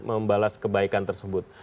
membalas kebaikan tersebut